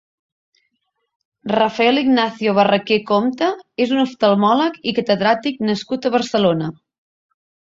Rafael Ignacio Barraquer Compte és un oftalmòleg i catedràtic nascut a Barcelona.